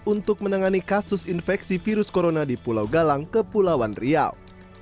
untuk menangani kasus infeksi virus corona di pulau galang kepulauan riau